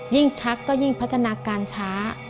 ชักก็ยิ่งพัฒนาการช้า